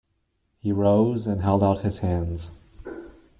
He rose and held out his hands.